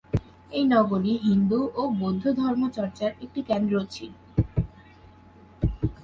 এই নগরী হিন্দু ও বৌদ্ধ ধর্ম চর্চার একটি কেন্দ্রও ছিল।